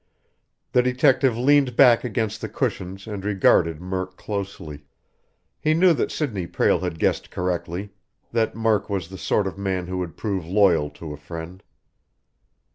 The detective leaned back against the cushions and regarded Murk closely. He knew that Sidney Prale had guessed correctly, that Murk was the sort of man who would prove loyal to a friend.